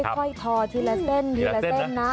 ค่อยทอทีละเส้นทีละเส้นนะ